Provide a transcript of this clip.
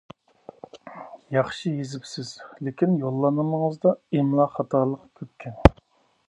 ياخشى يېزىپسىز، لېكىن يوللانمىڭىزدا ئىملا خاتالىقى كۆپكەن.